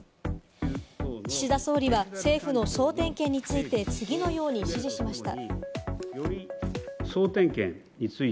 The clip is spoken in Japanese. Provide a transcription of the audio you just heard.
岸田総理は政府の総点検について次のように指示しました。